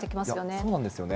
そうなんですよね。